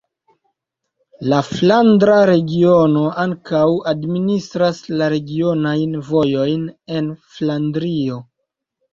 La Flandra Regiono ankaŭ administras la regionajn vojojn en Flandrio.